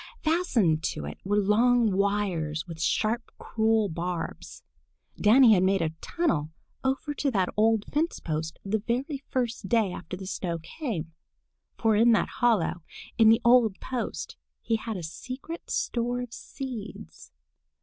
Fastened to it were long wires with sharp cruel barbs. Danny had made a tunnel over to that old fence post the very first day after the snow came, for in that hollow in the old post he had a secret store of seeds.